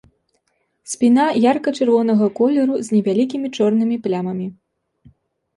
Спіна ярка-чырвонага колеру з невялікімі чорнымі плямамі.